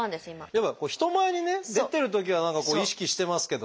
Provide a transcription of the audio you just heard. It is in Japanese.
やっぱ人前にね出てるときは何かこう意識してますけど。